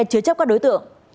chứa chấp các đối tượng